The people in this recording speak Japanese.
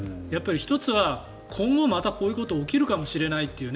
１つは今後また、こういうことが起きるかもしれないという。